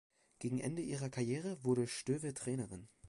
Gegen Ende ihrer Karriere wurde Stöve Trainerin.